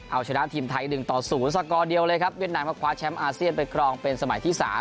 เอาชนะทีมไทย๑ต่อ๐สกอร์เดียวเลยครับเวียดนามมาคว้าแชมป์อาเซียนไปครองเป็นสมัยที่๓